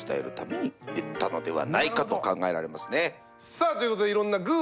さあということでいろんな「グぅ！